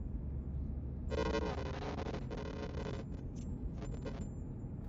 柔毛马先蒿为列当科马先蒿属的植物。